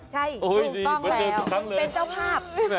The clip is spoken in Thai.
ใช่ถูกต้องแล้วเป็นเจ้าภาพ